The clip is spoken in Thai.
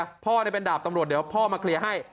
ให้พ่อมาเคลียร์พ่อในเป็นดาบตำรวจเดี๋ยวพ่อมาเคลียร์ให้